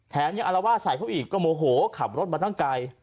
แถมยังอารวาสใส่เขาอีกก็โมโหขับรถมาตั้งไกล